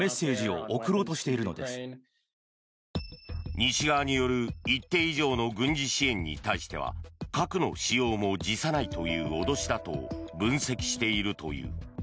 西側による一定以上の軍事支援に対しては核の使用も辞さないという脅しだと分析しているという。